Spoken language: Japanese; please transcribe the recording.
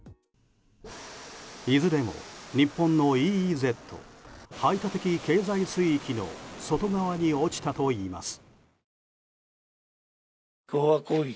いずれも日本のＥＥＺ・排他的経済水域の外側に落ちたといいます。